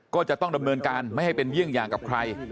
ก็จะต้องดำเนินการไม่ให้เป็นเยี่ยงอย่างกับใคร